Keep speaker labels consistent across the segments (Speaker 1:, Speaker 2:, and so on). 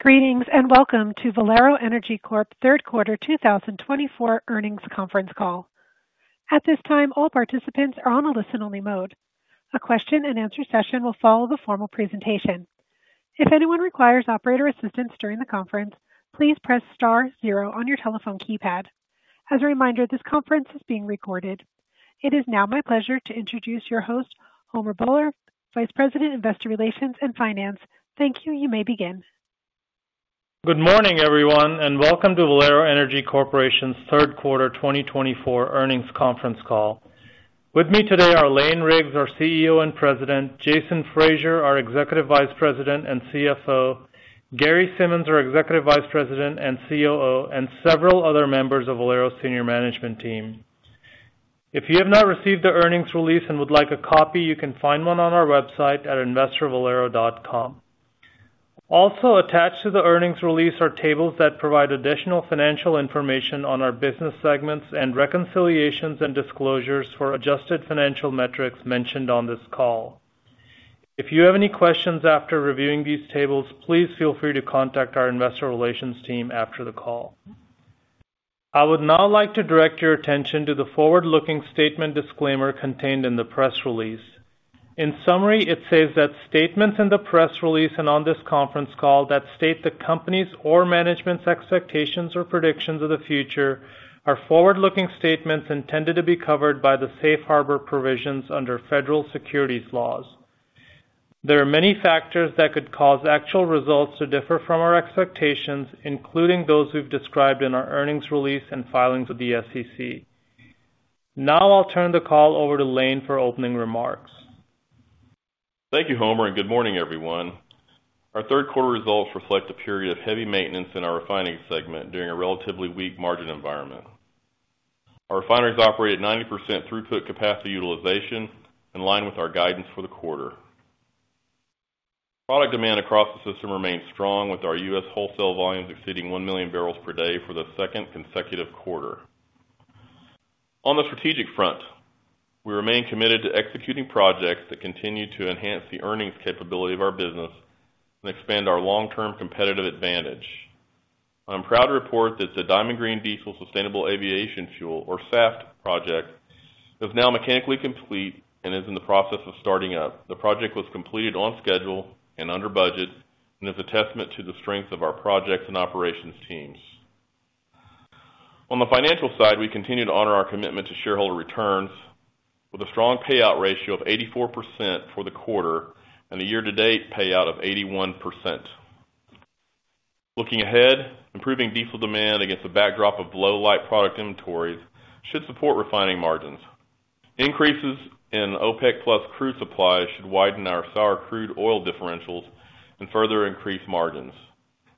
Speaker 1: Greetings, and welcome to Valero Energy Corp Third Quarter 2024 Earnings Conference Call. At this time, all participants are on a listen-only mode. A question-and-answer session will follow the formal presentation. If anyone requires operator assistance during the conference, please press star zero on your telephone keypad. As a reminder, this conference is being recorded. It is now my pleasure to introduce your host, Homer Bhullar, Vice President, Investor Relations and Finance. Thank you. You may begin.
Speaker 2: Good morning, everyone, and welcome to Valero Energy Corporation's Third Quarter 2024 Earnings Conference Call. With me today are Lane Riggs, our CEO and President, Jason Fraser, our Executive Vice President and CFO, Gary Simmons, our Executive Vice President and COO, and several other members of Valero's Senior Management team. If you have not received the earnings release and would like a copy, you can find one on our website at investor.valero.com. Also, attached to the earnings release are tables that provide additional financial information on our business segments and reconciliations and disclosures for adjusted financial metrics mentioned on this call. If you have any questions after reviewing these tables, please feel free to contact our Investor Relations team after the call. I would now like to direct your attention to the forward-looking statement disclaimer contained in the press release. In summary, it says that statements in the press release and on this conference call that state the company's or management's expectations or predictions of the future are forward-looking statements intended to be covered by the safe harbor provisions under federal securities laws. There are many factors that could cause actual results to differ from our expectations, including those we've described in our earnings release and filings with the SEC. Now, I'll turn the call over to Lane for opening remarks.
Speaker 3: Thank you, Homer, and good morning, everyone. Our third quarter results reflect a period of heavy maintenance in our refining segment during a relatively weak margin environment. Our refineries operate at 90% throughput capacity utilization, in line with our guidance for the quarter. Product demand across the system remains strong, with our U.S. wholesale volumes exceeding one million barrels per day for the second consecutive quarter. On the strategic front, we remain committed to executing projects that continue to enhance the earnings capability of our business and expand our long-term competitive advantage. I'm proud to report that the Diamond Green Diesel sustainable aviation fuel, or SAF project, is now mechanically complete and is in the process of starting up. The project was completed on schedule and under budget and is a testament to the strength of our projects and operations teams. On the financial side, we continue to honor our commitment to shareholder returns with a strong payout ratio of 84% for the quarter and a year-to-date payout of 81%. Looking ahead, improving diesel demand against a backdrop of low light product inventories should support refining margins. Increases in OPEC+ crude supply should widen our sour crude oil differentials and further increase margins.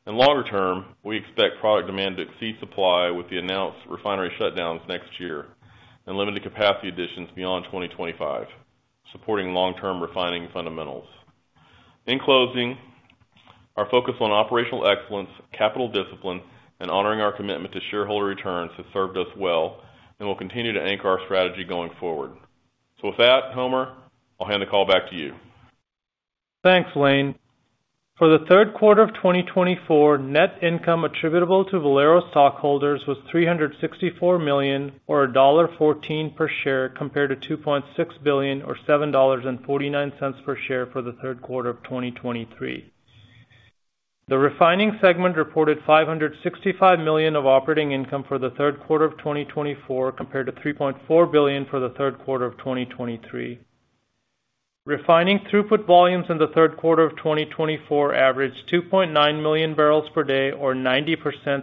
Speaker 3: In longer term, we expect product demand to exceed supply with the announced refinery shutdowns next year and limited capacity additions beyond 2025, supporting long-term refining fundamentals. In closing, our focus on operational excellence, capital discipline, and honoring our commitment to shareholder returns has served us well and will continue to anchor our strategy going forward. So with that, Homer, I'll hand the call back to you.
Speaker 2: Thanks, Lane. For the third quarter of 2024, net income attributable to Valero stockholders was $364 million, or $1.14 per share, compared to $2.6 billion, or $7.49 per share for the third quarter of 2023. The refining segment reported $565 million of operating income for the third quarter of 2024, compared to $3.4 billion for the third quarter of 2023. Refining throughput volumes in the third quarter of 2024 averaged 2.9 million barrels per day, or 90%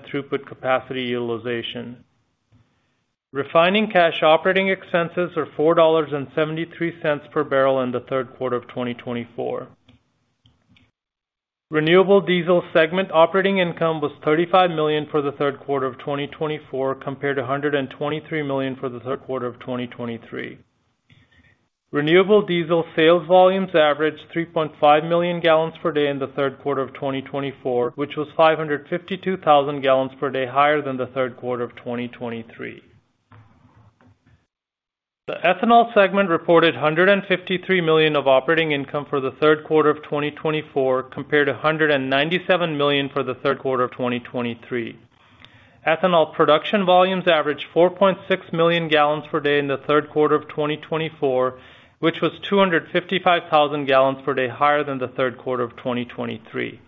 Speaker 2: throughput capacity utilization. Refining cash operating expenses are $4.73 per barrel in the third quarter of 2024. Renewable diesel segment operating income was $35 million for the third quarter of 2024, compared to $123 million for the third quarter of 2023. Renewable diesel sales volumes averaged 3.5 million gallons per day in the third quarter of 2024, which was 552,000 gallons per day higher than the third quarter of 2023. The ethanol segment reported $153 million of operating income for the third quarter of 2024, compared to $197 million for the third quarter of 2023. Ethanol production volumes averaged 4.6 million gallons per day in the third quarter of 2024, which was 255,000 gallons per day higher than the third quarter of 2023.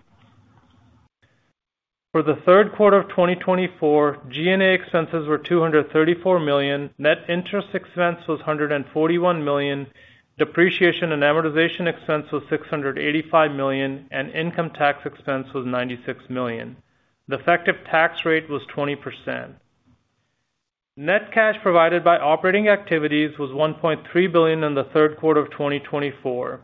Speaker 2: For the third quarter of 2024, G&A expenses were $234 million, net interest expense was $141 million, depreciation and amortization expense was $685 million, and income tax expense was $96 million. The effective tax rate was 20%. Net cash provided by operating activities was $1.3 billion in the third quarter of 2024.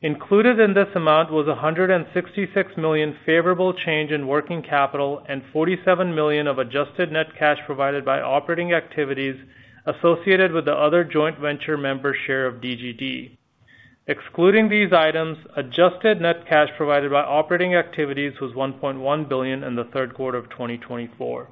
Speaker 2: Included in this amount was a $166 million favorable change in working capital and $47 million of adjusted net cash provided by operating activities associated with the other joint venture member's share of DGD. Excluding these items, adjusted net cash provided by operating activities was $1.1 billion in the third quarter of 2024.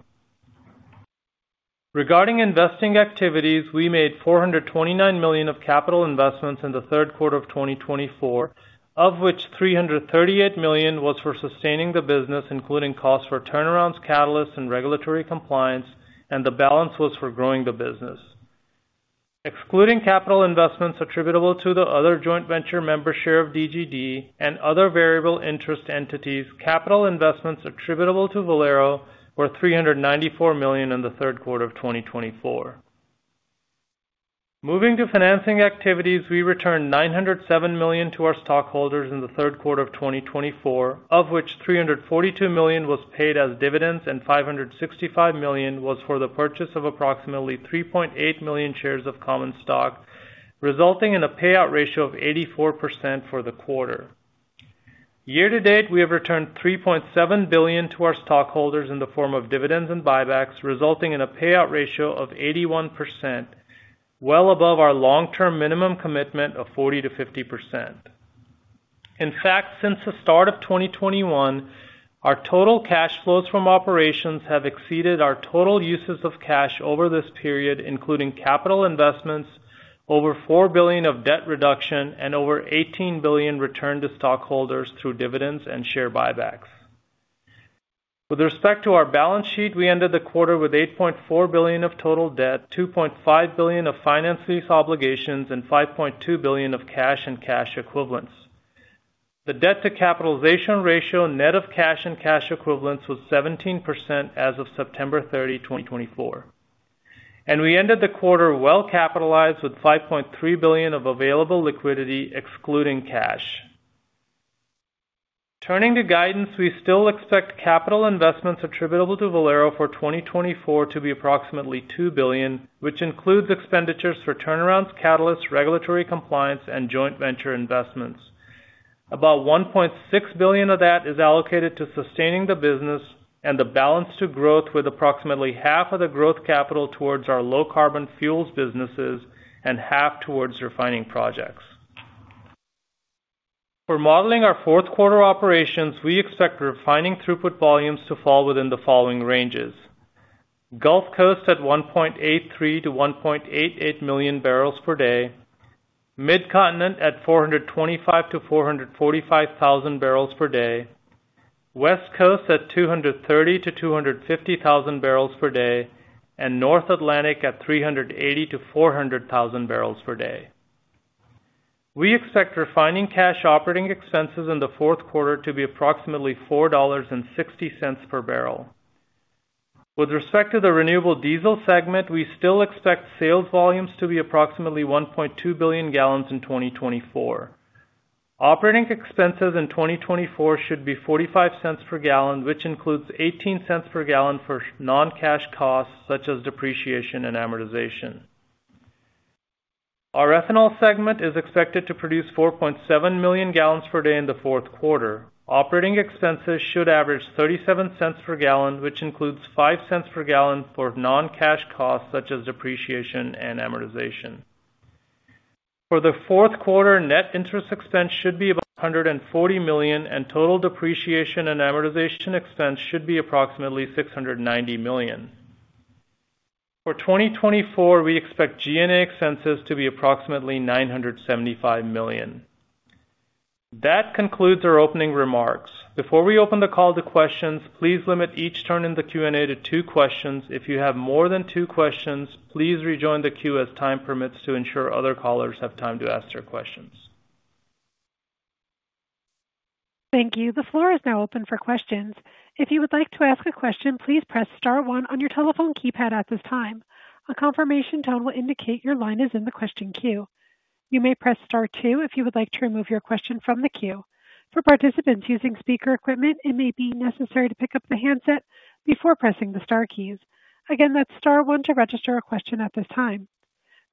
Speaker 2: Regarding investing activities, we made $429 million of capital investments in the third quarter of 2024, of which $338 million was for sustaining the business, including costs for turnarounds, catalysts, and regulatory compliance, and the balance was for growing the business. Excluding capital investments attributable to the other joint venture member share of DGD and other variable interest entities, capital investments attributable to Valero were $394 million in the third quarter of 2024. Moving to financing activities, we returned $907 million to our stockholders in the third quarter of 2024, of which $342 million was paid as dividends and $565 million was for the purchase of approximately 3.8 million shares of common stock, resulting in a payout ratio of 84% for the quarter. Year to date, we have returned $3.7 billion to our stockholders in the form of dividends and buybacks, resulting in a payout ratio of 81%, well above our long-term minimum commitment of 40%-50%. In fact, since the start of 2021, our total cash flows from operations have exceeded our total uses of cash over this period, including capital investments, over $4 billion of debt reduction, and over $18 billion returned to stockholders through dividends and share buybacks. With respect to our balance sheet, we ended the quarter with $8.4 billion of total debt, $2.5 billion of finance lease obligations, and $5.2 billion of cash and cash equivalents. The debt to capitalization ratio, net of cash and cash equivalents, was 17% as of September 30, 2024, and we ended the quarter well-capitalized with $5.3 billion of available liquidity, excluding cash. Turning to guidance, we still expect capital investments attributable to Valero for 2024 to be approximately $2 billion, which includes expenditures for turnarounds, catalysts, regulatory compliance, and joint venture investments. About $1.6 billion of that is allocated to sustaining the business and the balance to growth, with approximately half of the growth capital towards our low carbon fuels businesses and half towards refining projects. For modeling our fourth quarter operations, we expect refining throughput volumes to fall within the following ranges: Gulf Coast at 1.83 million-1.88 million barrels per day, Midcontinent at 425,000-445,000 barrels per day, West Coast at 230,000-250,000 barrels per day, and North Atlantic at 380,000-400,000 barrels per day. We expect refining cash operating expenses in the fourth quarter to be approximately $4.60 per barrel. With respect to the renewable diesel segment, we still expect sales volumes to be approximately 1.2 billion gallons in 2024. Operating expenses in 2024 should be $0.45 per gallon, which includes $0.18 per gallon for non-cash costs, such as depreciation and amortization. Our ethanol segment is expected to produce 4.7 million gallons per day in the fourth quarter. Operating expenses should average $0.37 per gallon, which includes $0.05 per gallon for non-cash costs, such as depreciation and amortization. For the fourth quarter, net interest expense should be about $140 million, and total depreciation and amortization expense should be approximately $690 million. For 2024, we expect G&A expenses to be approximately $975 million. That concludes our opening remarks. Before we open the call to questions, please limit each turn in the Q&A to two questions. If you have more than two questions, please rejoin the queue as time permits to ensure other callers have time to ask their questions.
Speaker 1: Thank you. The floor is now open for questions. If you would like to ask a question, please press star one on your telephone keypad at this time. A confirmation tone will indicate your line is in the question queue. You may press star two if you would like to remove your question from the queue. For participants using speaker equipment, it may be necessary to pick up the handset before pressing the star keys. Again, that's star one to register a question at this time.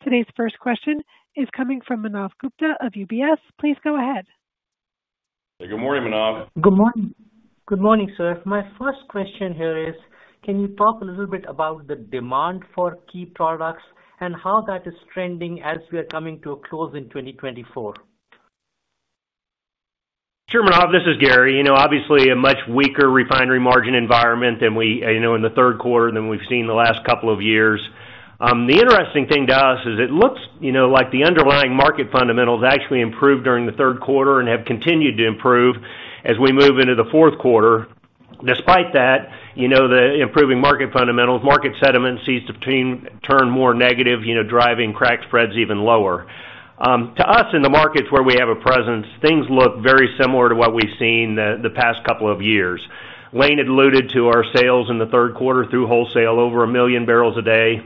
Speaker 1: Today's first question is coming from Manav Gupta of UBS. Please go ahead.
Speaker 3: Good morning, Manav.
Speaker 4: Good morning. Good morning, sir. My first question here is, can you talk a little bit about the demand for key products and how that is trending as we are coming to a close in twenty twenty-four?
Speaker 5: Sure, Manav, this is Gary. You know, obviously a much weaker refinery margin environment than we, you know, in the third quarter than we've seen the last couple of years. The interesting thing to us is it looks, you know, like the underlying market fundamentals actually improved during the third quarter and have continued to improve as we move into the fourth quarter. Despite that, you know, the improving market fundamentals, market sentiment seems to turn more negative, you know, driving crack spreads even lower. To us, in the markets where we have a presence, things look very similar to what we've seen the past couple of years. Lane had alluded to our sales in the third quarter through wholesale, over a million barrels a day.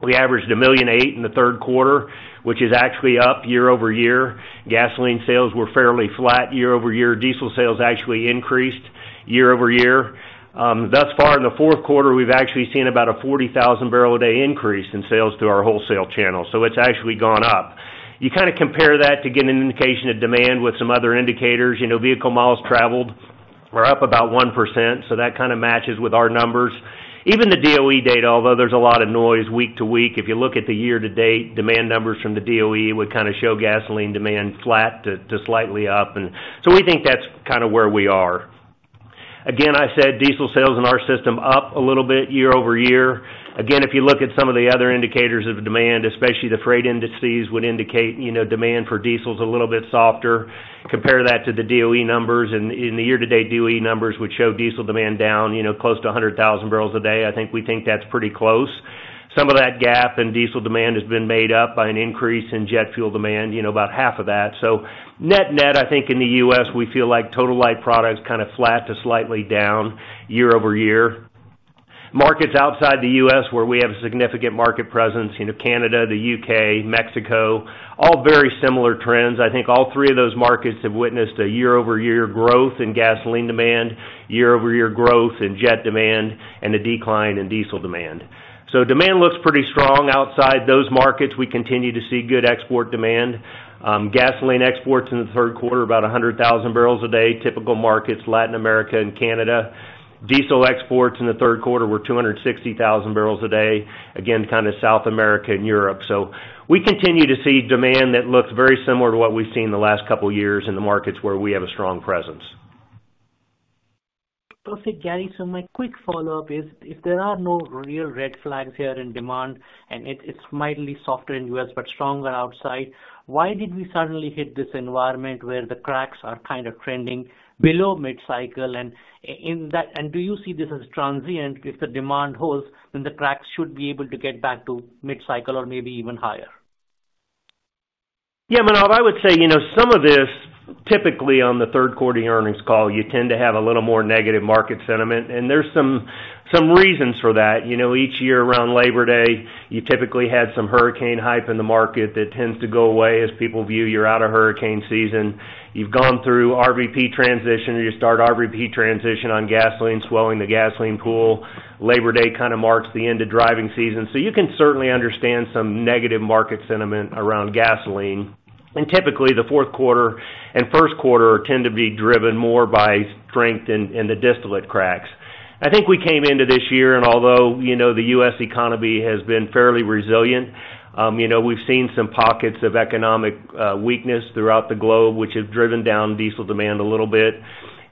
Speaker 5: We averaged a million eight in the third quarter, which is actually up year-over-year. Gasoline sales were fairly flat year-over-year. Diesel sales actually increased year-over-year. Thus far in the fourth quarter, we've actually seen about a 40,000 barrel a day increase in sales through our wholesale channel, so it's actually gone up. You kinda compare that to get an indication of demand with some other indicators. You know, vehicle miles traveled are up about 1%, so that kind of matches with our numbers. Even the DOE data, although there's a lot of noise week-to-week, if you look at the year-to-date, demand numbers from the DOE would kind of show gasoline demand flat to slightly up. And so we think that's kind of where we are. Again, I said diesel sales in our system up a little bit year-over-year. Again, if you look at some of the other indicators of demand, especially the freight indices, would indicate, you know, demand for diesel is a little bit softer. Compare that to the DOE numbers, and the year-to-date DOE numbers, which show diesel demand down, you know, close to a hundred thousand barrels a day. I think we think that's pretty close. Some of that gap in diesel demand has been made up by an increase in jet fuel demand, you know, about half of that. So net-net, I think in the U.S., we feel like total light products kind of flat to slightly down year over year. Markets outside the U.S., where we have a significant market presence, you know, Canada, the U.K., Mexico, all very similar trends. I think all three of those markets have witnessed a year-over-year growth in gasoline demand, year-over-year growth in jet demand, and a decline in diesel demand. So demand looks pretty strong outside those markets. We continue to see good export demand. Gasoline exports in the third quarter, about 100,000 barrels a day. Typical markets, Latin America and Canada. Diesel exports in the third quarter were 260,000 barrels a day. Again, kind of South America and Europe. So we continue to see demand that looks very similar to what we've seen in the last couple of years in the markets where we have a strong presence.
Speaker 4: Perfect, Gary. So my quick follow-up is, if there are no real red flags here in demand, and it's mildly softer in U.S. but stronger outside, why did we suddenly hit this environment where the cracks are kind of trending below mid-cycle? And in that and do you see this as transient? If the demand holds, then the cracks should be able to get back to mid-cycle or maybe even higher.
Speaker 5: Yeah, Manav, I would say, you know, some of this, typically on the third quarter earnings call, you tend to have a little more negative market sentiment, and there's some reasons for that. You know, each year around Labor Day, you typically had some hurricane hype in the market. That tends to go away as people view you're out of hurricane season. You've gone through RVP transition, or you start RVP transition on gasoline, swelling the gasoline pool. Labor Day kind of marks the end of driving season. So you can certainly understand some negative market sentiment around gasoline. And typically, the fourth quarter and first quarter tend to be driven more by strength in the distillate cracks. I think we came into this year, and although, you know, the U.S. economy has been fairly resilient, you know, we've seen some pockets of economic weakness throughout the globe, which has driven down diesel demand a little bit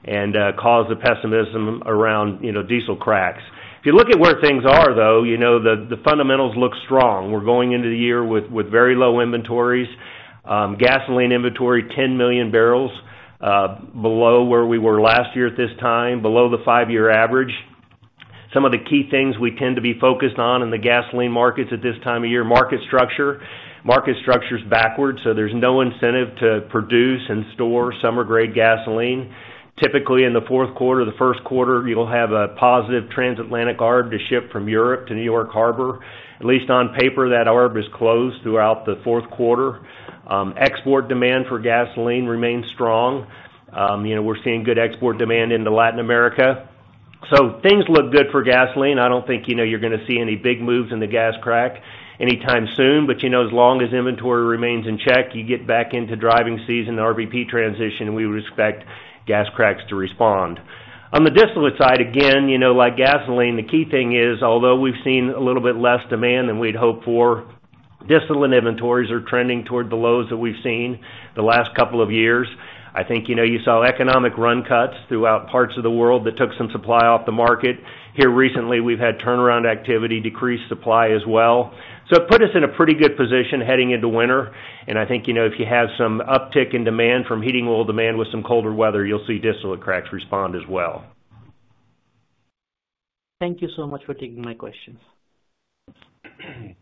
Speaker 5: and caused the pessimism around, you know, diesel cracks. If you look at where things are, though, you know, the fundamentals look strong. We're going into the year with very low inventories. Gasoline inventory, 10 million barrels below where we were last year at this time, below the five-year average. Some of the key things we tend to be focused on in the gasoline markets at this time of year, market structure. Market structure's backwards, so there's no incentive to produce and store summer grade gasoline. Typically, in the fourth quarter, the first quarter, you'll have a positive transatlantic arb to ship from Europe to New York Harbor. At least on paper, that arb is closed throughout the fourth quarter. Export demand for gasoline remains strong. You know, we're seeing good export demand into Latin America. So things look good for gasoline. I don't think, you know, you're gonna see any big moves in the gas crack anytime soon, but, you know, as long as inventory remains in check, you get back into driving season, RVP transition, we would expect gas cracks to respond. On the distillate side, again, you know, like gasoline, the key thing is, although we've seen a little bit less demand than we'd hoped for, distillate inventories are trending toward the lows that we've seen the last couple of years. I think, you know, you saw economic run cuts throughout parts of the world that took some supply off the market. Here recently, we've had turnaround activity, decreased supply as well. So it put us in a pretty good position heading into winter, and I think, you know, if you have some uptick in demand from heating oil demand with some colder weather, you'll see distillate cracks respond as well.
Speaker 4: Thank you so much for taking my questions.
Speaker 1: Thank you.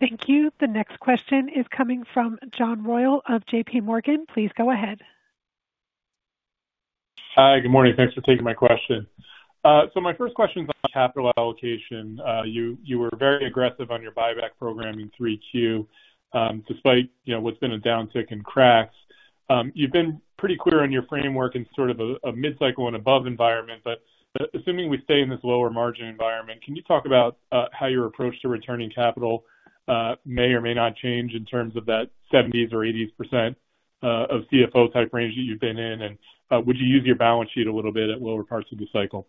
Speaker 1: The next question is coming from John Royal of J.P. Morgan. Please go ahead.
Speaker 6: Hi, good morning. Thanks for taking my question. So my first question is on capital allocation. You were very aggressive on your buyback program in 3Q, despite, you know, what's been a downtick in cracks. You've been pretty clear on your framework in sort of a mid-cycle and above environment, but assuming we stay in this lower margin environment, can you talk about how your approach to returning capital may or may not change in terms of that 70% or 80% of CFO type range that you've been in? And would you use your balance sheet a little bit at lower parts of the cycle?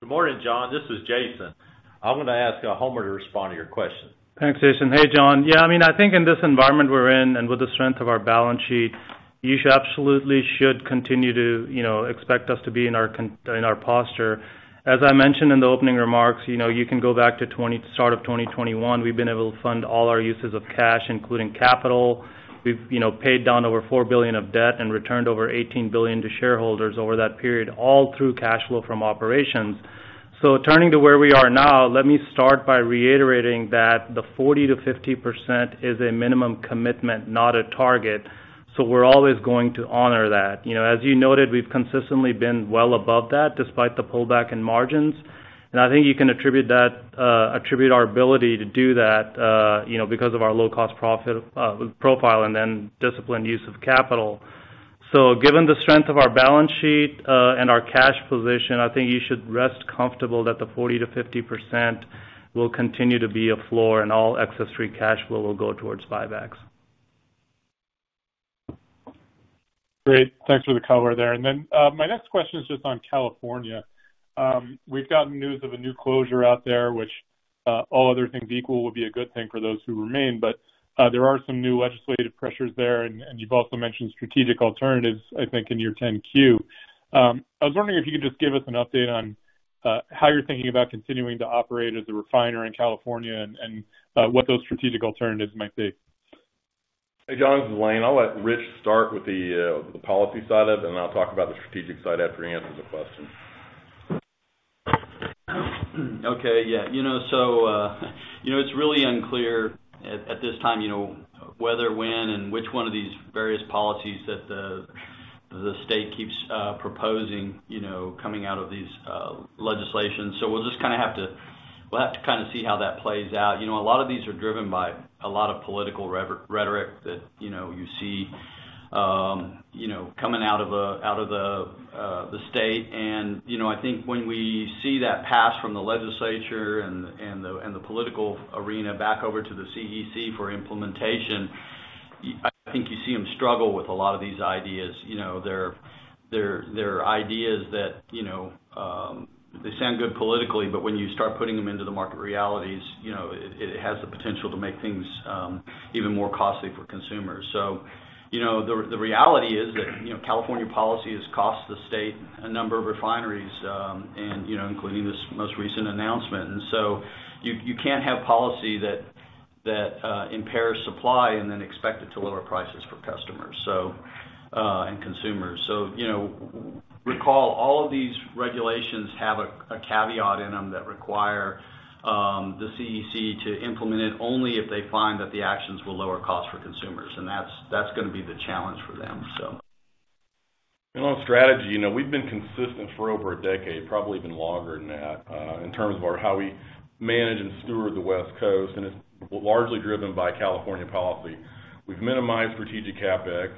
Speaker 7: Good morning, John. This is Jason. I'm gonna ask, Homer to respond to your question.
Speaker 2: Thanks, Jason. Hey, John. Yeah, I mean, I think in this environment we're in, and with the strength of our balance sheet, you should absolutely continue to, you know, expect us to be in our posture. As I mentioned in the opening remarks, you know, you can go back to start of twenty twenty-one, we've been able to fund all our uses of cash, including capital. We've, you know, paid down over $4 billion of debt and returned over $18 billion to shareholders over that period, all through cash flow from operations. So turning to where we are now, let me start by reiterating that the 40%-50% is a minimum commitment, not a target, so we're always going to honor that. You know, as you noted, we've consistently been well above that, despite the pullback in margins. I think you can attribute our ability to do that, you know, because of our low-cost profit profile and then disciplined use of capital. So given the strength of our balance sheet, and our cash position, I think you should feel comfortable that the 40%-50% will continue to be a floor, and all excess free cash flow will go towards buybacks.
Speaker 6: Great. Thanks for the color there. And then, my next question is just on California. We've gotten news of a new closure out there, which all other things equal would be a good thing for those who remain. But, there are some new legislative pressures there, and you've also mentioned strategic alternatives, I think, in your 10-Q. I was wondering if you could just give us an update on how you're thinking about continuing to operate as a refiner in California and what those strategic alternatives might be?
Speaker 3: Hey, John, this is Lane. I'll let Rich start with the policy side of it, and then I'll talk about the strategic side after he answers the question.
Speaker 8: Okay. Yeah, you know, so, you know, it's really unclear at this time, you know, whether, when, and which one of these various policies that the state keeps proposing, you know, coming out of these legislations. So we'll just kinda have to kind of see how that plays out. You know, a lot of these are driven by a lot of political rhetoric that, you know, you see, you know, coming out of the state. And, you know, I think when we see that pass from the legislature and the political arena back over to the CEC for implementation, I think you see them struggle with a lot of these ideas. You know, they're ideas that, you know, they sound good politically, but when you start putting them into the market realities, you know, it has the potential to make things even more costly for consumers. So, you know, the reality is that, you know, California policy has cost the state a number of refineries, and, you know, including this most recent announcement. And so you can't have policy that impairs supply and then expect it to lower prices for customers, so and consumers. So, you know, recall, all of these regulations have a caveat in them that require the CEC to implement it only if they find that the actions will lower costs for consumers, and that's gonna be the challenge for them, so. On strategy, you know, we've been consistent for over a decade, probably even longer than that, in terms of our how we manage and steward the West Coast, and it's largely driven by California policy. We've minimized strategic CapEx.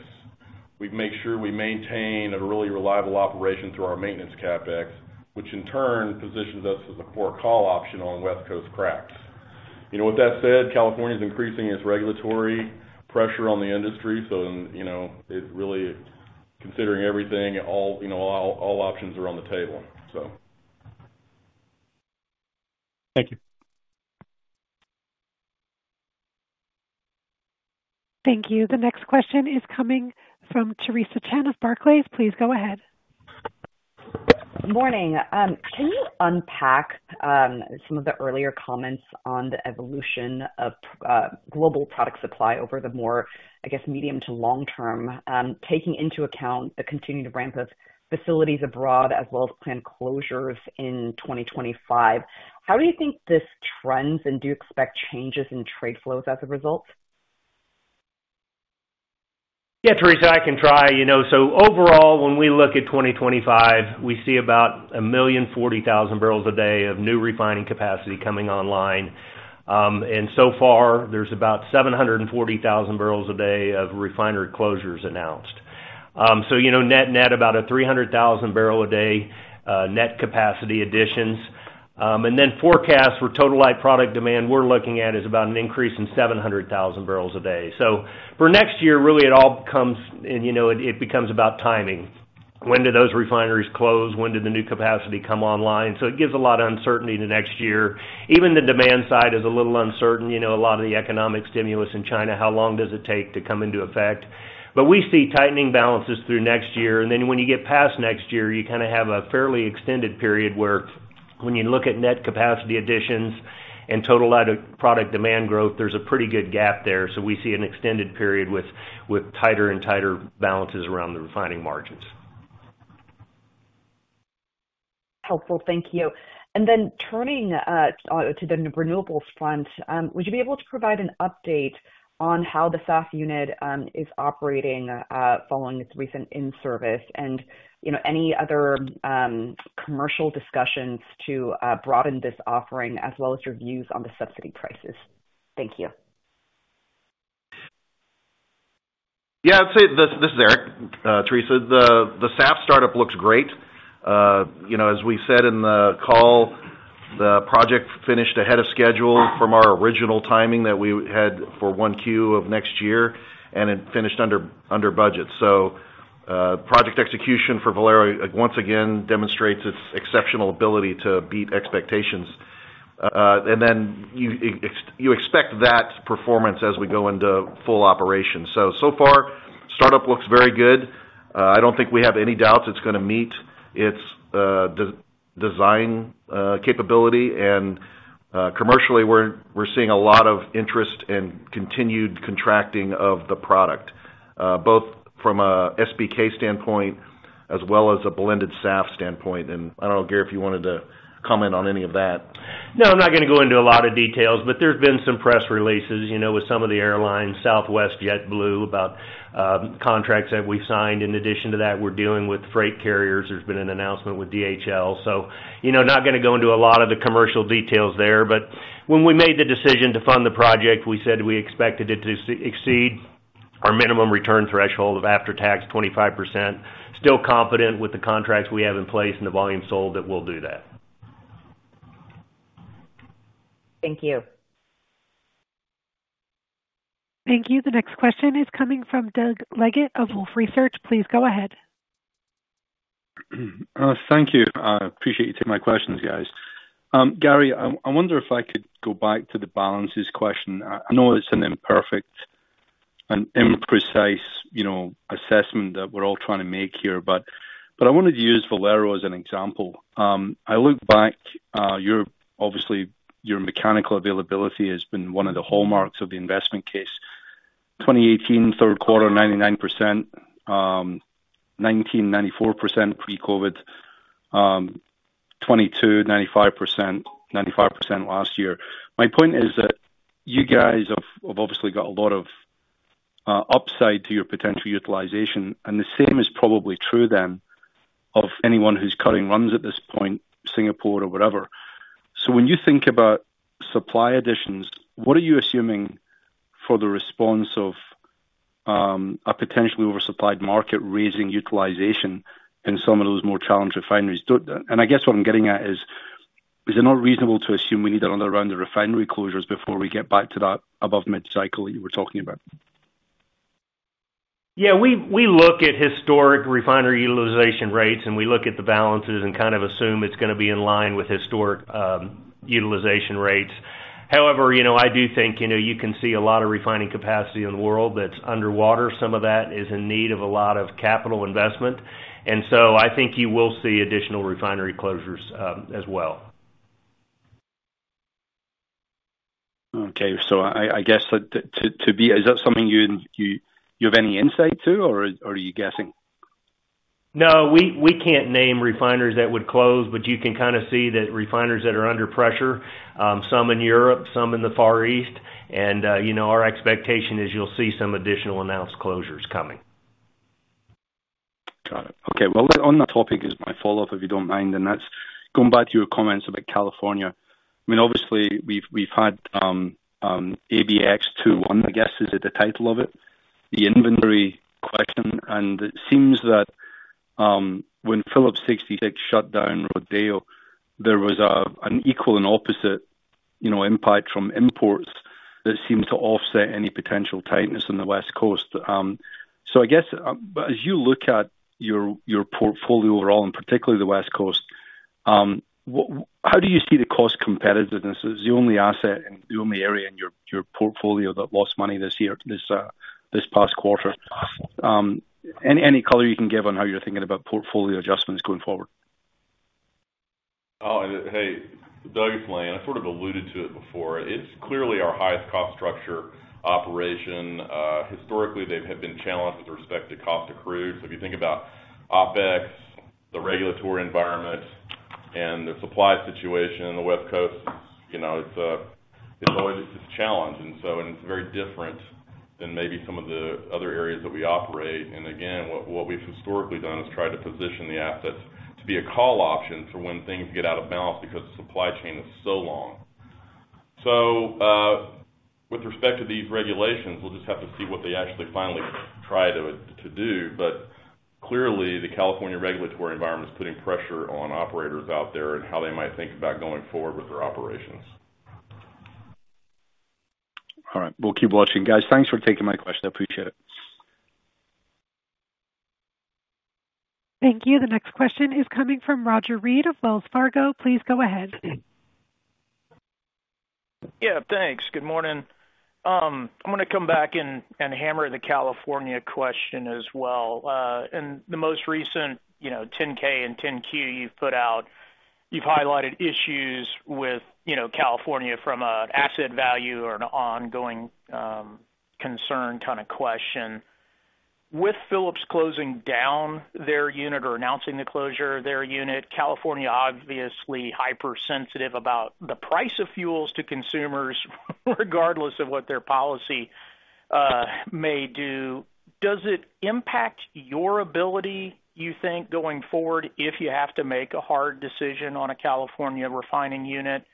Speaker 8: We've made sure we maintain a really reliable operation through our maintenance CapEx, which in turn positions us as a poor call option on West Coast cracks. You know, with that said, California's increasing its regulatory pressure on the industry, so, you know, it's really considering everything, all, you know, all options are on the table, so.
Speaker 6: Thank you.
Speaker 1: Thank you. The next question is coming from Theresa Chen of Barclays. Please go ahead.
Speaker 9: Good morning. Can you unpack some of the earlier comments on the evolution of global product supply over the more, I guess, medium to long term, taking into account the continued ramp of facilities abroad as well as planned closures in 2025? How do you think this trends, and do you expect changes in trade flows as a result?
Speaker 2: Yeah, Theresa, I can try. You know, so overall, when we look at 2025, we see about 1,040,000 barrels a day of new refining capacity coming online. And so far, there's about 740,000 barrels a day of refinery closures announced. So, you know, net, about 300,000 barrel a day net capacity additions. And then forecasts for total light product demand we're looking at is about an increase in 700,000 barrels a day. So for next year, really, it all comes and, you know, it becomes about timing. When do those refineries close? When do the new capacity come online? So it gives a lot of uncertainty to next year. Even the demand side is a little uncertain. You know, a lot of the economic stimulus in China, how long does it take to come into effect? But we see tightening balances through next year, and then when you get past next year, you kinda have a fairly extended period where when you look at net capacity additions and total out of product demand growth, there's a pretty good gap there. So we see an extended period with tighter and tighter balances around the refining margins.
Speaker 9: Helpful. Thank you. And then turning to the renewables front, would you be able to provide an update on how the SAF unit is operating following its recent in-service and, you know, any other commercial discussions to broaden this offering, as well as your views on the subsidy prices? Thank you.
Speaker 10: Yeah, I'd say this is Eric, Theresa. The SAF startup looks great. You know, as we said in the call, the project finished ahead of schedule from our original timing that we had for 1Q of next year, and it finished under budget. So, project execution for Valero, once again, demonstrates its exceptional ability to beat expectations. And then you expect that performance as we go into full operation. So far, startup looks very good. I don't think we have any doubts it's gonna meet its design capability. And, commercially, we're seeing a lot of interest in continued contracting of the product, both from a SPK standpoint as well as a blended SAF standpoint. And I don't know, Gary, if you wanted to comment on any of that.
Speaker 5: No, I'm not gonna go into a lot of details, but there have been some press releases, you know, with some of the airlines, Southwest, JetBlue, about contracts that we've signed. In addition to that, we're dealing with freight carriers. There's been an announcement with DHL. So, you know, not gonna go into a lot of the commercial details there, but when we made the decision to fund the project, we said we expected it to exceed our minimum return threshold of after-tax 25%. Still confident with the contracts we have in place and the volume sold that we'll do that.
Speaker 9: Thank you.
Speaker 1: Thank you. The next question is coming from Doug Leggate of Wolfe Research. Please go ahead.
Speaker 11: Thank you. I appreciate you taking my questions, guys. Gary, I wonder if I could go back to the balances question. I know it's an imperfect and imprecise, you know, assessment that we're all trying to make here, but I wanted to use Valero as an example. I look back, obviously, your mechanical availability has been one of the hallmarks of the investment case. 2018, third quarter, 99%. 2019, 94% pre-COVID. 2022, 95%. 95% last year. My point is that you guys have obviously got a lot of upside to your potential utilization, and the same is probably true then of anyone who's cutting runs at this point, Singapore or whatever. So when you think about supply additions, what are you assuming for the response of a potentially oversupplied market raising utilization in some of those more challenged refineries? I guess what I'm getting at is, is it not reasonable to assume we need another round of refinery closures before we get back to that above mid-cycle that you were talking about?
Speaker 2: Yeah, we look at historic refinery utilization rates, and we look at the balances and kind of assume it's gonna be in line with historic utilization rates. However, you know, I do think, you know, you can see a lot of refining capacity in the world that's underwater. Some of that is in need of a lot of capital investment, and so I think you will see additional refinery closures as well.
Speaker 11: Okay. So I guess that to be... Is that something you have any insight to, or are you guessing? No, we can't name refiners that would close, but you can kind of see that refiners that are under pressure, some in Europe, some in the Far East, and, you know, our expectation is you'll see some additional announced closures coming. Got it. Okay, well, on that topic is my follow-up, if you don't mind, and that's going back to your comments about California. I mean, obviously, we've had ABX2-1, I guess, is the title of it, the inventory question, and it seems that when Phillips 66 shut down Rodeo, there was an equal and opposite, you know, impact from imports that seemed to offset any potential tightness on the West Coast. So I guess, as you look at your portfolio overall, and particularly the West Coast, what, how do you see the cost competitiveness as the only asset and the only area in your portfolio that lost money this past quarter? Any color you can give on how you're thinking about portfolio adjustments going forward?
Speaker 3: Oh, hey, Doug, it's Lane. I sort of alluded to it before. It's clearly our highest cost structure operation. Historically, they have been challenged with respect to cost accrues. If you think about OPEX, the regulatory environment, and the supply situation on the West Coast, you know, it's always a challenge, and so, and it's very different than maybe some of the other areas that we operate. And again, what we've historically done is try to position the assets to be a call option for when things get out of balance, because the supply chain is so long. So, with respect to these regulations, we'll just have to see what they actually finally try to do. But clearly, the California regulatory environment is putting pressure on operators out there and how they might think about going forward with their operations.
Speaker 11: All right. We'll keep watching, guys. Thanks for taking my question. I appreciate it.
Speaker 1: Thank you. The next question is coming from Roger Read of Wells Fargo. Please go ahead.
Speaker 12: Yeah, thanks. Good morning. I'm gonna come back and hammer the California question as well. In the most recent, you know, 10-K and 10-Q you've put out, you've highlighted issues with, you know, California from an asset value or an ongoing concern kind of question. With Phillips 66 closing down their unit or announcing the closure of their unit, California obviously hypersensitive about the price of fuels to consumers, regardless of what their policy may do. Does it impact your ability, you think, going forward, if you have to make a hard decision on a California refining unit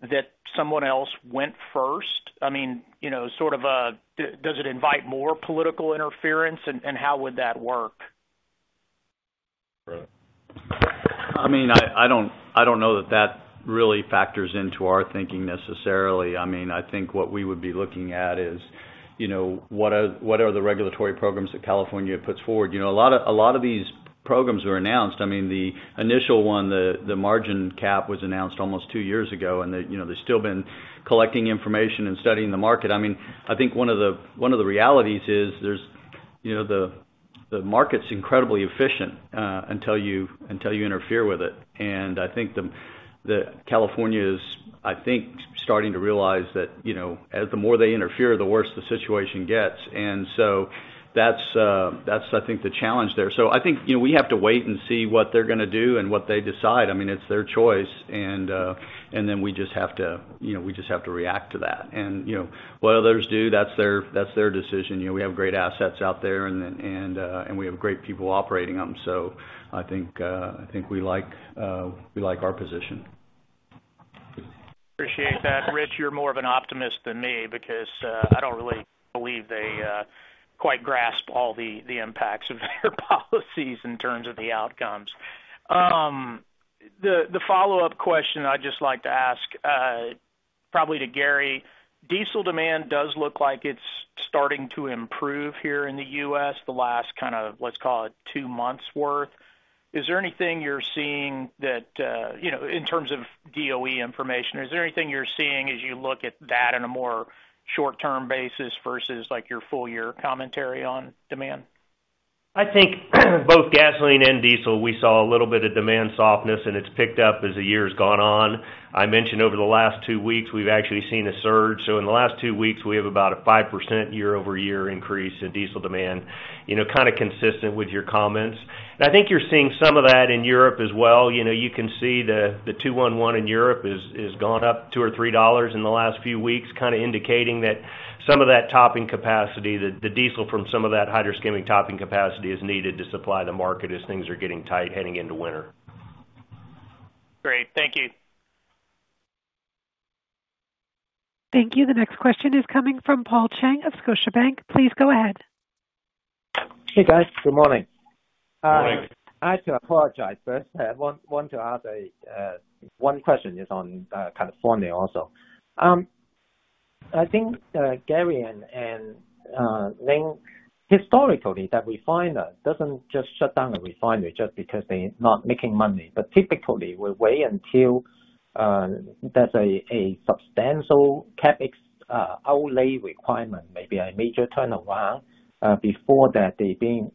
Speaker 12: that someone else went first? I mean, you know, sort of, does it invite more political interference, and how would that work?
Speaker 3: Right.
Speaker 8: I mean, I don't know that that really factors into our thinking necessarily. I mean, I think what we would be looking at is, you know, what are the regulatory programs that California puts forward? You know, a lot of these programs were announced I mean, the initial one, the margin cap was announced almost two years ago, and they, you know, they've still been collecting information and studying the market. I mean, I think one of the realities is there's... You know, the market's incredibly efficient, until you interfere with it. And I think California is starting to realize that, you know, as the more they interfere, the worse the situation gets. And so that's, I think, the challenge there. So I think, you know, we have to wait and see what they're gonna do and what they decide. I mean, it's their choice, and then we just have to, you know, we just have to react to that. And, you know, what others do, that's their, that's their decision. You know, we have great assets out there, and, and we have great people operating them, so I think, I think we like, we like our position.
Speaker 12: Appreciate that, Rich. You're more of an optimist than me, because I don't really believe they quite grasp all the impacts of their policies in terms of the outcomes. The follow-up question I'd just like to ask, probably to Gary. Diesel demand does look like it's starting to improve here in the U.S., the last kind of, let's call it two months' worth. Is there anything you're seeing that, you know, in terms of DOE information, is there anything you're seeing as you look at that on a more short-term basis versus, like, your full year commentary on demand?
Speaker 5: I think both gasoline and diesel, we saw a little bit of demand softness, and it's picked up as the year has gone on. I mentioned over the last two weeks, we've actually seen a surge. So in the last two weeks, we have about a 5% year-over-year increase in diesel demand, you know, kind of consistent with your comments. And I think you're seeing some of that in Europe as well. You know, you can see the 2-1-1 in Europe is gone up $2-$3 in the last few weeks, kind of indicating that some of that topping capacity, the diesel from some of that hydroskimming topping capacity is needed to supply the market as things are getting tight heading into winter.
Speaker 12: Great. Thank you.
Speaker 1: Thank you. The next question is coming from Paul Cheng of Scotiabank. Please go ahead.
Speaker 13: Hey, guys. Good morning.
Speaker 5: Good morning.
Speaker 13: I have to apologize first. I want to ask one question on California also. I think Gary and Lane, historically, that refiner doesn't just shut down the refinery just because they're not making money. But typically, we'll wait until there's a substantial CapEx outlay requirement, maybe a major turnaround, before that they're being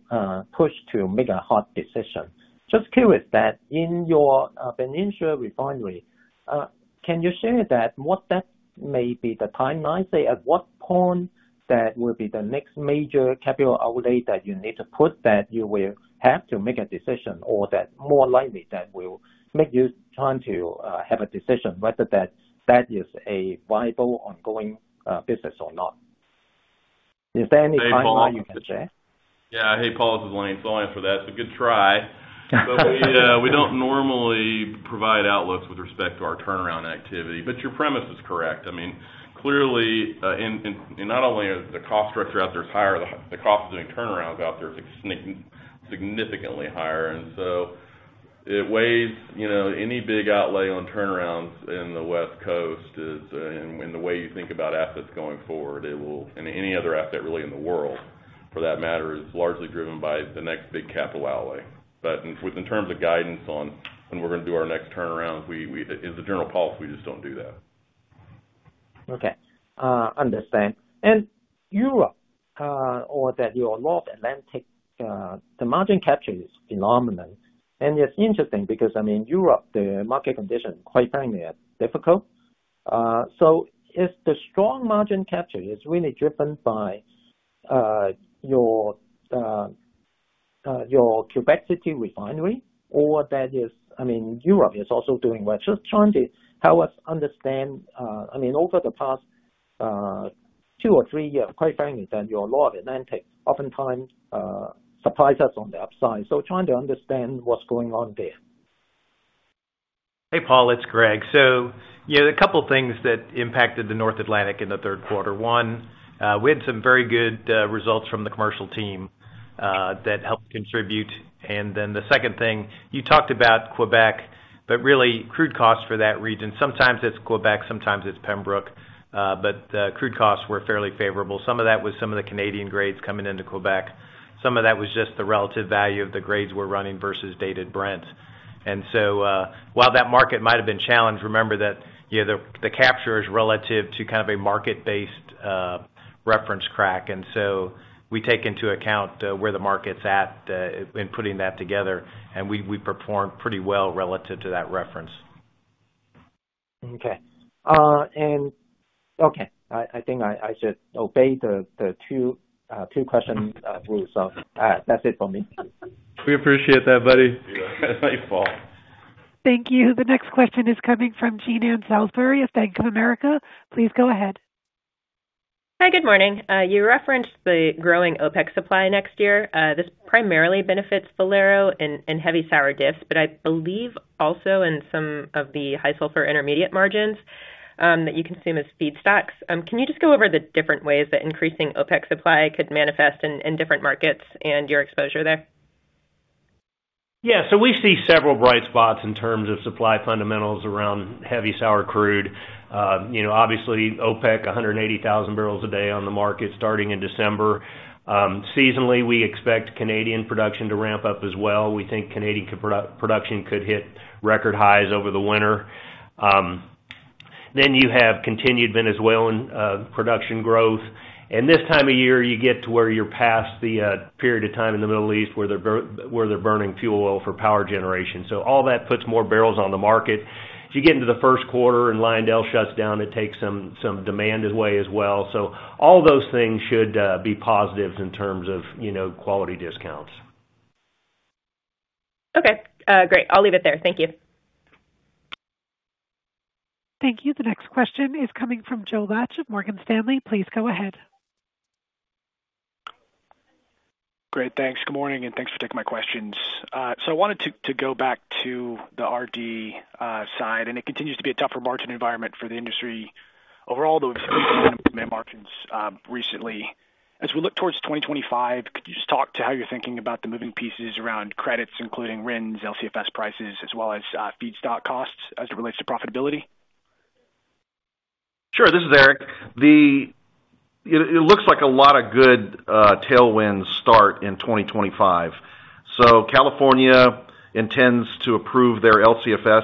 Speaker 13: pushed to make a hard decision. Just curious that in your Benicia refinery, can you share that, what that may be, the timeline? Say, at what point that will be the next major capital outlay that you need to put, that you will have to make a decision, or that more likely that will make you time to have a decision, whether that is a viable, ongoing business or not. Is there any timeline you can share?
Speaker 3: Yeah. Hey, Paul, this is Lane. So I'll answer that. It's a good try. But we don't normally provide outlooks with respect to our turnaround activity, but your premise is correct. I mean, clearly, in and not only are the cost structure out there is higher, the cost of doing turnarounds out there is significantly higher. And so it weighs, you know, any big outlay on turnarounds in the West Coast is, and the way you think about assets going forward, it will. And any other asset really in the world, for that matter, is largely driven by the next big capital outlay. But in terms of guidance on when we're going to do our next turnaround, we-- as a general policy, we just don't do that.
Speaker 13: Okay, understand. And Europe, or that your North Atlantic, the margin capture is phenomenal. And it's interesting because, I mean, Europe, the market condition, quite frankly, are difficult. So if the strong margin capture is really driven by, your Quebec City refinery, or that is, I mean, Europe is also doing well. Just trying to help us understand, I mean, over the past, two or three years, quite frankly, than your North Atlantic, oftentimes, surprise us on the upside. So trying to understand what's going on there.
Speaker 5: Hey, Paul, it's Greg. So, you know, the couple of things that impacted the North Atlantic in the third quarter. One, we had some very good results from the commercial team that helped contribute. And then the second thing, you talked about Quebec, but really crude costs for that region, sometimes it's Quebec, sometimes it's Pembroke, but crude costs were fairly favorable. Some of that was some of the Canadian grades coming into Quebec. Some of that was just the relative value of the grades we're running versus Dated Brent. And so, while that market might have been challenged, remember that, you know, the capture is relative to kind of a market-based reference crack. And so we take into account where the market's at in putting that together, and we perform pretty well relative to that reference.
Speaker 13: Okay. And okay, I think I should obey the two-question rule. So, that's it for me.
Speaker 3: We appreciate that, buddy. Thank you, Paul.
Speaker 1: Thank you. The next question is coming from Jean Ann Salisbury of Bank of America. Please go ahead.
Speaker 14: Hi, good morning. You referenced the growing OPEC supply next year. This primarily benefits Valero and heavy sour diff, but I believe also in some of the high sulfur intermediate margins that you consume as feedstocks. Can you just go over the different ways that increasing OPEC supply could manifest in different markets and your exposure there?
Speaker 5: Yeah, so we see several bright spots in terms of supply fundamentals around heavy sour crude. You know, obviously, OPEC, 180,000 barrels a day on the market starting in December. Seasonally, we expect Canadian production to ramp up as well. We think Canadian production could hit record highs over the winter. Then you have continued Venezuelan production growth, and this time of year, you get to where you're past the period of time in the Middle East, where they're burning fuel oil for power generation. So all that puts more barrels on the market. As you get into the first quarter and Lyondell shuts down, it takes some demand away as well. So all those things should be positives in terms of, you know, quality discounts.
Speaker 14: Okay, great. I'll leave it there. Thank you.
Speaker 1: Thank you. The next question is coming from Joe Vacca of Morgan Stanley. Please go ahead.
Speaker 15: Great, thanks. Good morning, and thanks for taking my questions. So I wanted to go back to the RD side, and it continues to be a tougher margin environment for the industry. Overall, though, markets recently. As we look towards twenty twenty-five, could you just talk to how you're thinking about the moving pieces around credits, including RINs, LCFS prices, as well as feedstock costs as it relates to profitability?
Speaker 10: Sure. This is Eric. It looks like a lot of good tailwinds start in 2025. So California intends to approve their LCFS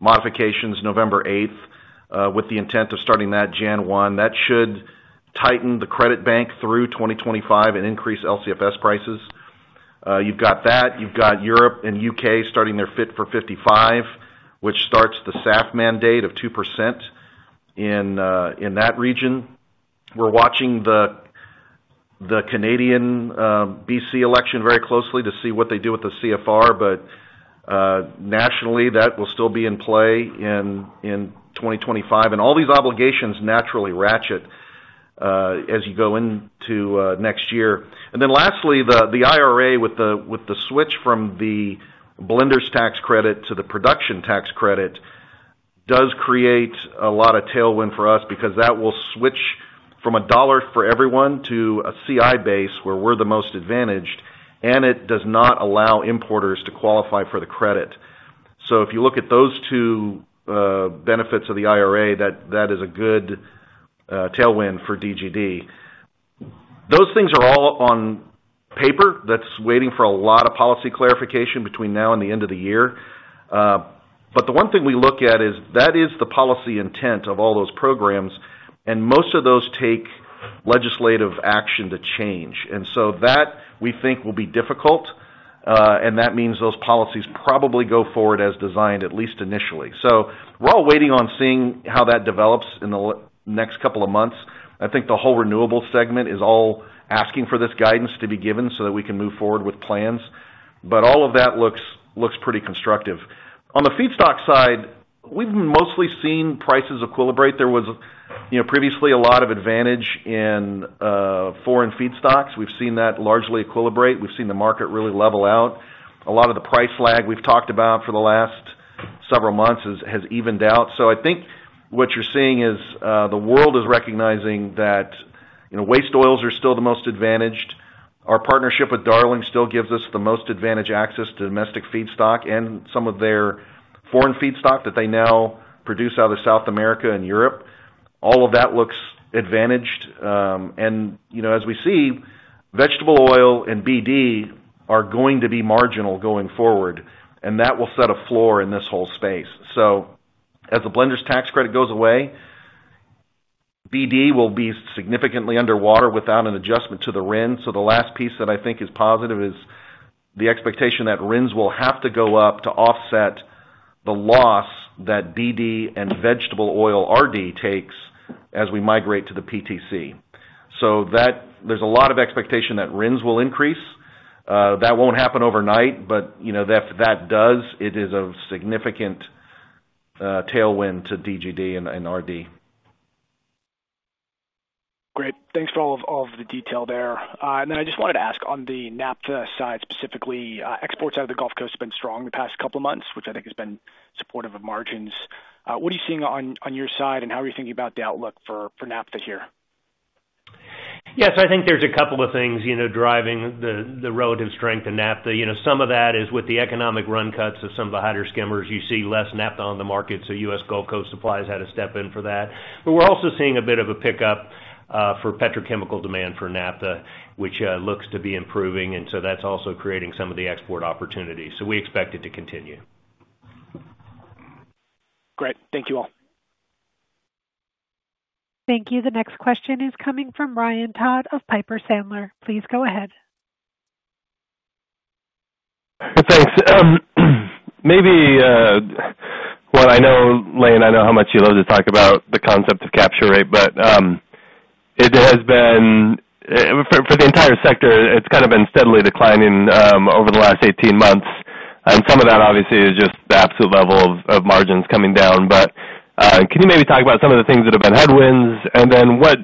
Speaker 10: modifications November eighth with the intent of starting that January 1. That should tighten the credit bank through 2025 and increase LCFS prices. You've got that, you've got Europe and U.K. starting their Fit for 55, which starts the SAF mandate of 2% in that region. We're watching the Canadian BC election very closely to see what they do with the CFR, but nationally, that will still be in play in 2025. And all these obligations naturally ratchet as you go into next year. And then lastly, the IRA, with the switch from the blenders tax credit to the production tax credit, does create a lot of tailwind for us because that will switch from a dollar for everyone to a CI base, where we're the most advantaged, and it does not allow importers to qualify for the credit. So if you look at those two benefits of the IRA, that is a good tailwind for DGD. Those things are all on paper. That's waiting for a lot of policy clarification between now and the end of the year. But the one thing we look at is that is the policy intent of all those programs, and most of those take legislative action to change. And so that, we think, will be difficult, and that means those policies probably go forward as designed, at least initially. So we're all waiting on seeing how that develops in the next couple of months. I think the whole renewable segment is all asking for this guidance to be given so that we can move forward with plans, but all of that looks pretty constructive. On the feedstock side, we've mostly seen prices equilibrate. There was, you know, previously a lot of advantage in foreign feedstocks. We've seen that largely equilibrate. We've seen the market really level out. A lot of the price lag we've talked about for the last several months has evened out. So I think what you're seeing is the world is recognizing that, you know, waste oils are still the most advantaged. Our partnership with Darling still gives us the most advantaged access to domestic feedstock and some of their foreign feedstock that they now produce out of South America and Europe. All of that looks advantaged. You know, as we see, vegetable oil and BD are going to be marginal going forward, and that will set a floor in this whole space. So as the blenders' tax credit goes away, BD will be significantly underwater without an adjustment to the RIN. So the last piece that I think is positive is the expectation that RINs will have to go up to offset the loss that BD and vegetable oil RD takes as we migrate to the PTC. So that... there's a lot of expectation that RINs will increase. That won't happen overnight, but, you know, if that does, it is a significant tailwind to DGD and RD.
Speaker 15: Great. Thanks for all of the detail there. And then I just wanted to ask on the naphtha side, specifically, exports out of the Gulf Coast have been strong the past couple of months, which I think has been supportive of margins. What are you seeing on your side, and how are you thinking about the outlook for naphtha here?
Speaker 10: Yes, I think there's a couple of things, you know, driving the relative strength in naphtha. You know, some of that is with the economic run cuts of some of the hydroskimmers. You see less naphtha on the market, so U.S. Gulf Coast suppliers had to step in for that. But we're also seeing a bit of a pickup for petrochemical demand for naphtha, which looks to be improving, and so that's also creating some of the export opportunities, so we expect it to continue.
Speaker 15: Great. Thank you, all.
Speaker 1: Thank you. The next question is coming from Ryan Todd of Piper Sandler. Please go ahead.
Speaker 16: Thanks. Maybe well, I know, Lane, I know how much you love to talk about the concept of capture rate, but it has been for the entire sector, it's kind of been steadily declining over the last 18 months, and some of that obviously is just the absolute level of margins coming down. But can you maybe talk about some of the things that have been headwinds? And then what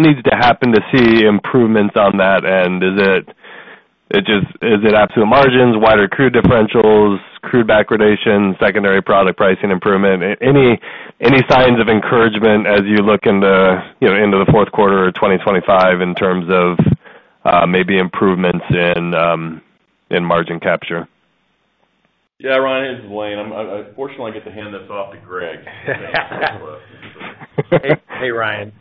Speaker 16: needs to happen to see improvements on that? And is it absolute margins, wider crude differentials, crude backwardation, secondary product pricing improvement? Any signs of encouragement as you look you know into the fourth quarter of 2025 in terms of maybe improvements in margin capture?
Speaker 3: Yeah, Ryan, this is Lane. I fortunately get to hand this off to Greg.
Speaker 17: Hey, Ryan.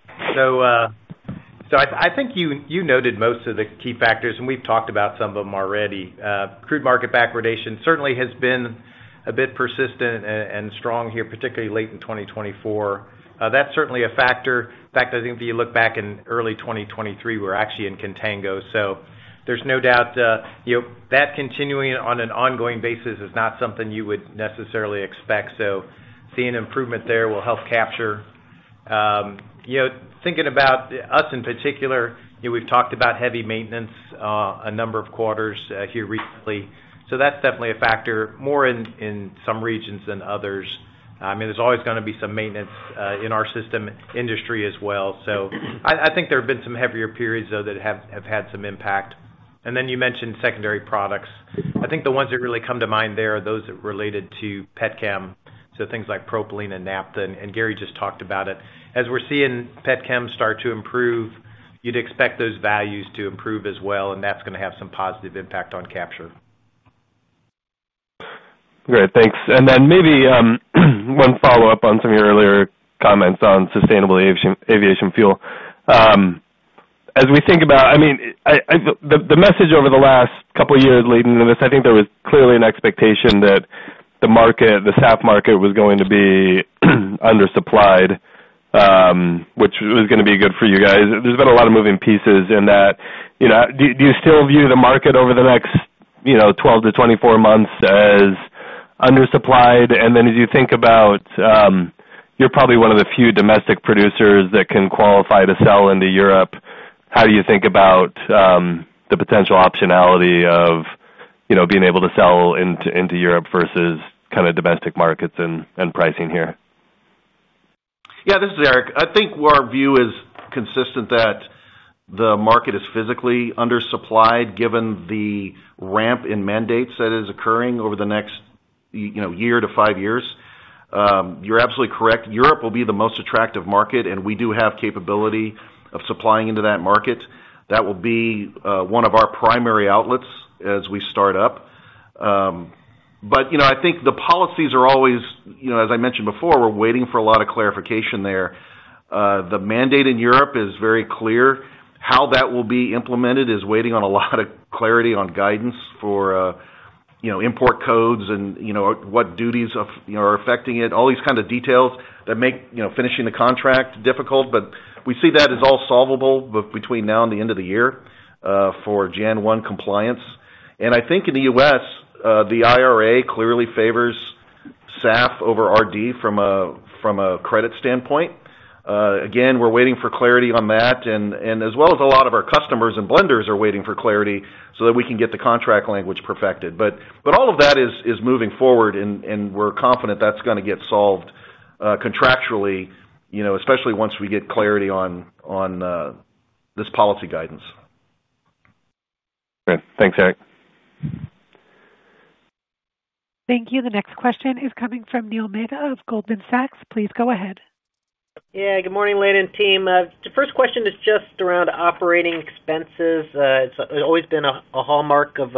Speaker 17: So, I think you noted most of the key factors, and we've talked about some of them already. Crude market backwardation certainly has been a bit persistent and strong here, particularly late in 2024. That's certainly a factor. In fact, I think if you look back in early 2023, we're actually in contango. So there's no doubt, you know, that continuing on an ongoing basis is not something you would necessarily expect, so seeing improvement there will help capture. You know, thinking about us in particular, you know, we've talked about heavy maintenance a number of quarters here recently, so that's definitely a factor, more in some regions than others. I mean, there's always gonna be some maintenance in our system, industry as well. So I think there have been some heavier periods, though, that have had some impact. And then you mentioned secondary products. I think the ones that really come to mind there are those that related to petchem, so things like propylene and naphtha, and Gary just talked about it. As we're seeing petchem start to improve, you'd expect those values to improve as well, and that's gonna have some positive impact on capture.
Speaker 16: Great, thanks. And then maybe one follow-up on some of your earlier comments on sustainable aviation fuel. As we think about—I mean, the message over the last couple of years leading into this, I think there was clearly an expectation that the market, the SAF market, was going to be undersupplied, which was gonna be good for you guys. There's been a lot of moving pieces in that. You know, do you still view the market over the next 12-24 months as undersupplied? And then as you think about, you're probably one of the few domestic producers that can qualify to sell into Europe, how do you think about the potential optionality of, you know, being able to sell into Europe versus kind of domestic markets and pricing here?
Speaker 10: Yeah, this is Eric. I think our view is consistent that the market is physically undersupplied, given the ramp in mandates that is occurring over the next, you know, year to five years. You're absolutely correct, Europe will be the most attractive market, and we do have capability of supplying into that market. That will be one of our primary outlets as we start up. But, you know, I think the policies are always, you know, as I mentioned before, we're waiting for a lot of clarification there. The mandate in Europe is very clear. How that will be implemented is waiting on a lot of clarity on guidance for, you know, import codes and, you know, what duties of, you know, are affecting it. All these kind of details that make, you know, finishing the contract difficult, but we see that as all solvable between now and the end of the year for January 1 compliance. I think in the U.S., the IRA clearly favors SAF over RD from a credit standpoint. Again, we're waiting for clarity on that, and as well as a lot of our customers and blenders are waiting for clarity so that we can get the contract language perfected. But all of that is moving forward, and we're confident that's gonna get solved contractually, you know, especially once we get clarity on this policy guidance.
Speaker 16: Great. Thanks, Eric.
Speaker 1: Thank you. The next question is coming from Neil Mehta of Goldman Sachs. Please go ahead.
Speaker 18: Yeah, good morning, Lane and team. The first question is just around operating expenses. It's always been a hallmark of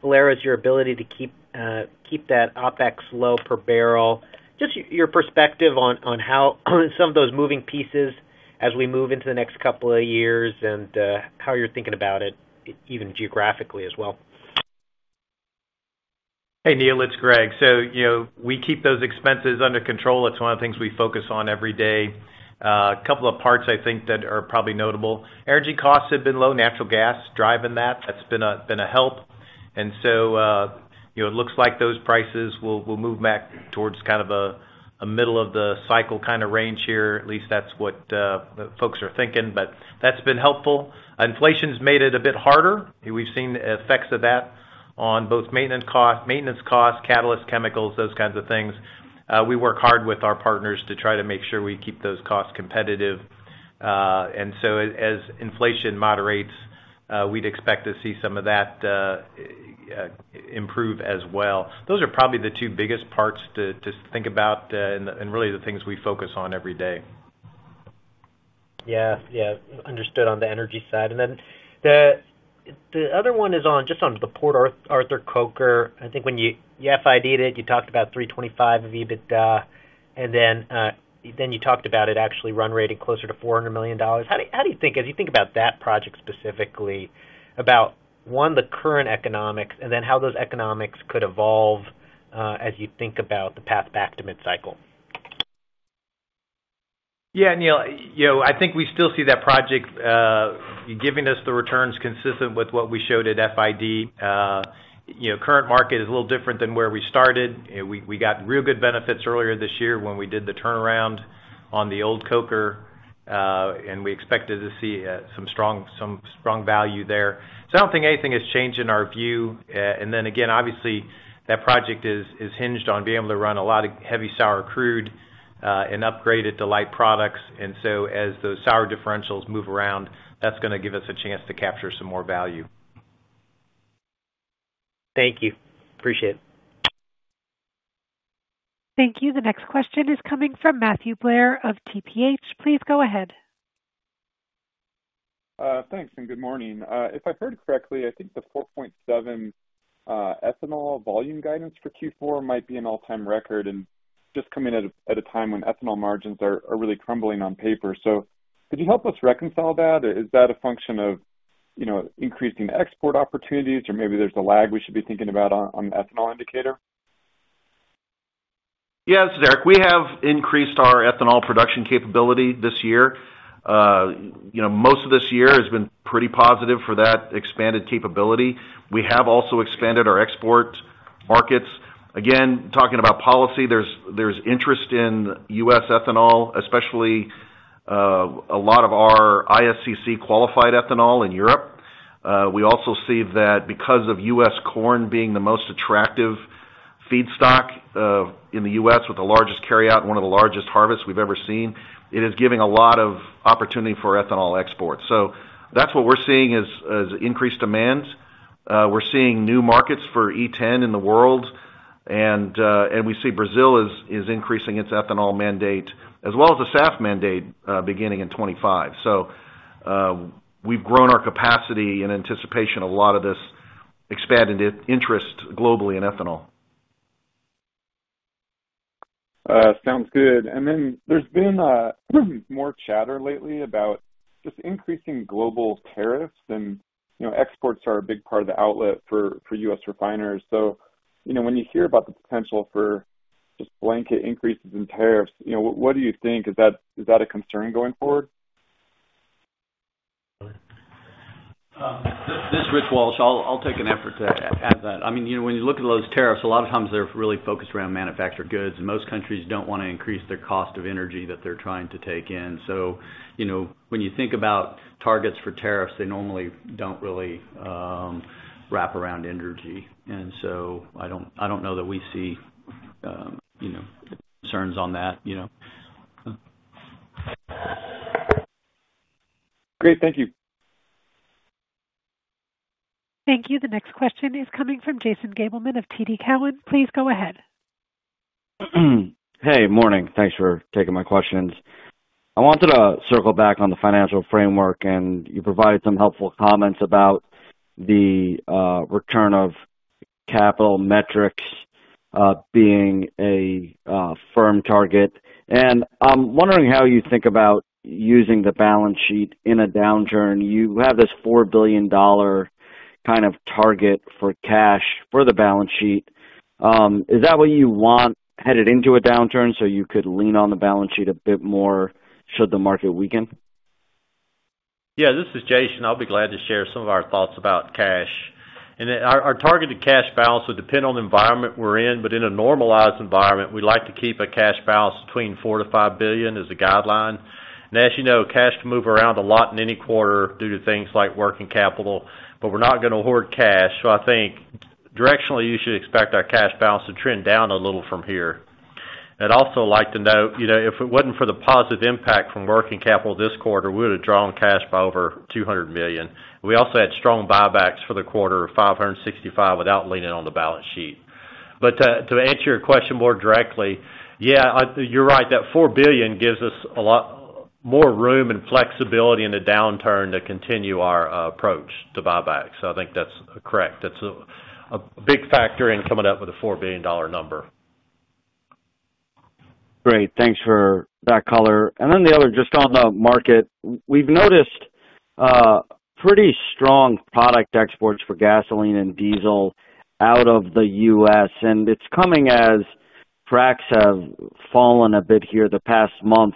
Speaker 18: Valero, is your ability to keep that OPEX low per barrel. Just your perspective on how some of those moving pieces as we move into the next couple of years and how you're thinking about it, even geographically as well.
Speaker 17: Hey, Neil, it's Greg. So, you know, we keep those expenses under control. It's one of the things we focus on every day. A couple of parts, I think, that are probably notable. Energy costs have been low, natural gas driving that. That's been a help. And so, you know, it looks like those prices will move back towards kind of a middle of the cycle kind of range here. At least that's what the folks are thinking, but that's been helpful. Inflation's made it a bit harder. We've seen the effects of that on both maintenance cost, maintenance costs, catalyst, chemicals, those kinds of things. We work hard with our partners to try to make sure we keep those costs competitive. And so as inflation moderates, we'd expect to see some of that improve as well. Those are probably the two biggest parts to think about, and really the things we focus on every day.
Speaker 18: Yeah, yeah. Understood on the energy side. And then the other one is just on the Port Arthur coker. I think when you FIDed it, you talked about $325 million of EBITDA, and then you talked about it actually run-rating closer to $400 million. How do you think... As you think about that project specifically, about one, the current economics, and then how those economics could evolve as you think about the path back to mid-cycle?
Speaker 17: Yeah, Neil, you know, I think we still see that project giving us the returns consistent with what we showed at FID. You know, current market is a little different than where we started. We got real good benefits earlier this year when we did the turnaround on the old coker, and we expected to see some strong value there. So I don't think anything has changed in our view. And then again, obviously, that project is hinged on being able to run a lot of heavy sour crude, and upgrade it to light products. And so as those sour differentials move around, that's gonna give us a chance to capture some more value.
Speaker 18: Thank you. Appreciate it.
Speaker 1: Thank you. The next question is coming from Matthew Blair of TPH. Please go ahead.
Speaker 19: Thanks, and good morning. If I heard correctly, I think the 4.7 ethanol volume guidance for Q4 might be an all-time record and just coming at a time when ethanol margins are really crumbling on paper. So could you help us reconcile that? Or is that a function of, you know, increasing export opportunities, or maybe there's a lag we should be thinking about on the ethanol indicator?
Speaker 10: Yeah, this is Eric. We have increased our ethanol production capability this year. You know, most of this year has been pretty positive for that expanded capability. We have also expanded our export markets. Again, talking about policy, there's interest in U.S. ethanol, especially, a lot of our ISCC-qualified ethanol in Europe.... we also see that because of U.S. corn being the most attractive feedstock, in the U.S., with the largest carryout, one of the largest harvests we've ever seen, it is giving a lot of opportunity for ethanol exports. So that's what we're seeing is increased demand. We're seeing new markets for E10 in the world, and we see Brazil is increasing its ethanol mandate, as well as the SAF mandate, beginning in 2025. So, we've grown our capacity in anticipation of a lot of this expanded interest globally in ethanol.
Speaker 19: Sounds good. And then there's been more chatter lately about just increasing global tariffs, and, you know, exports are a big part of the outlet for U.S. refiners. So, you know, when you hear about the potential for just blanket increases in tariffs, you know, what do you think? Is that a concern going forward?
Speaker 20: This is Rich Walsh. I'll take an effort to add that. I mean, you know, when you look at those tariffs, a lot of times they're really focused around manufactured goods, and most countries don't wanna increase their cost of energy that they're trying to take in. So, you know, when you think about targets for tariffs, they normally don't really wrap around energy. And so I don't know that we see, you know, concerns on that, you know?
Speaker 19: Great. Thank you.
Speaker 1: Thank you. The next question is coming from Jason Gabelman of TD Cowen. Please go ahead.
Speaker 21: Hey, morning. Thanks for taking my questions. I wanted to circle back on the financial framework, and you provided some helpful comments about the return of capital metrics being a firm target. And I'm wondering how you think about using the balance sheet in a downturn. You have this $4 billion kind of target for cash for the balance sheet. Is that what you want headed into a downturn so you could lean on the balance sheet a bit more should the market weaken?
Speaker 7: Yeah, this is Jason. I'll be glad to share some of our thoughts about cash. And then our targeted cash balance would depend on the environment we're in, but in a normalized environment, we like to keep a cash balance between $4 billion-$5 billion as a guideline. And as you know, cash can move around a lot in any quarter due to things like working capital, but we're not gonna hoard cash. So I think directionally, you should expect our cash balance to trend down a little from here. I'd also like to note, you know, if it wasn't for the positive impact from working capital this quarter, we would have drawn cash by over $200 million. We also had strong buybacks for the quarter of $565 million without leaning on the balance sheet. But to answer your question more directly, yeah, you're right, that $4 billion gives us a lot more room and flexibility in a downturn to continue our approach to buybacks. So I think that's correct. That's a big factor in coming up with a $4 billion number.
Speaker 21: Great. Thanks for that color. And then the other, just on the market, we've noticed pretty strong product exports for gasoline and diesel out of the U.S., and it's coming as cracks have fallen a bit here the past month.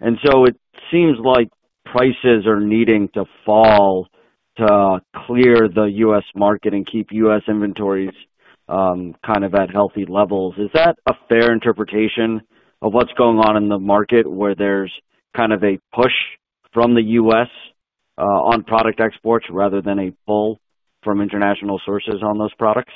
Speaker 21: And so it seems like prices are needing to fall to clear the U.S. market and keep U.S. inventories kind of at healthy levels. Is that a fair interpretation of what's going on in the market, where there's kind of a push from the U.S. on product exports rather than a pull from international sources on those products?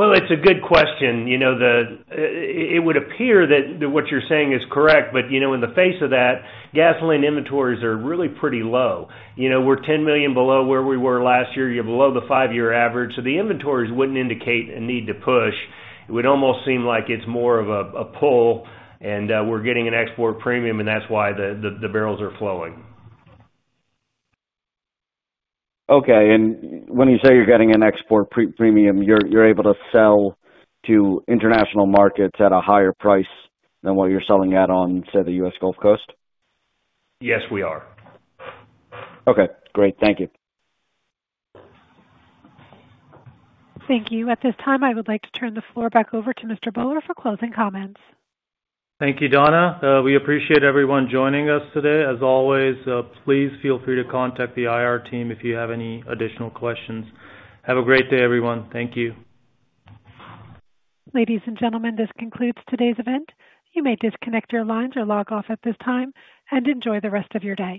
Speaker 7: It's a good question. You know, the it would appear that what you're saying is correct, but, you know, in the face of that, gasoline inventories are really pretty low. You know, we're 10 million below where we were last year. You're below the five-year average, so the inventories wouldn't indicate a need to push. It would almost seem like it's more of a pull, and we're getting an export premium, and that's why the barrels are flowing.
Speaker 21: Okay, and when you say you're getting an export premium, you're able to sell to international markets at a higher price than what you're selling at on, say, the U.S. Gulf Coast?
Speaker 7: Yes, we are.
Speaker 21: Okay, great. Thank you.
Speaker 1: Thank you. At this time, I would like to turn the floor back over to Mr. Bhullar for closing comments.
Speaker 2: Thank you, Donna. We appreciate everyone joining us today. As always, please feel free to contact the IR team if you have any additional questions. Have a great day, everyone. Thank you.
Speaker 1: Ladies and gentlemen, this concludes today's event. You may disconnect your lines or log off at this time, and enjoy the rest of your day.